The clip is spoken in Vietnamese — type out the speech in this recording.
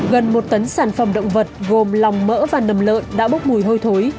gần một tấn sản phẩm động vật gồm lòng mỡ và nầm lợn đã bốc mùi hôi thối